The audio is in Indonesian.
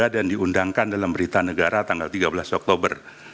dan diundangkan dalam berita negara tanggal tiga belas oktober